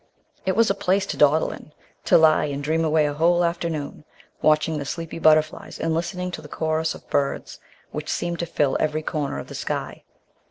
It was a place to dawdle in, to lie and dream away a whole afternoon, watching the sleepy butterflies and listening to the chorus of birds which seemed to fill every corner of the sky.